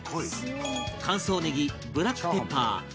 乾燥ネギブラックペッパー